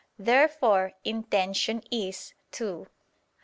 Therefore intention is too.